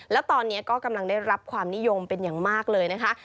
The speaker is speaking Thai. แล้วตอนนี้ก็กำลังได้รับความนิยมเป็นอย่างมากเลยนะคะ